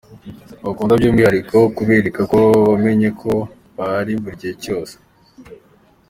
Bakunda by'umwihariko kubereka ko wamenye ko bahari buri gihe cyose.